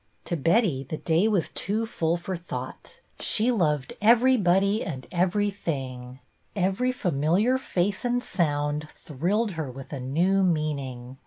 To Betty the day was too full for thought; she loved everybody and everything; every familiar face and sound thrilled her with a new meaning.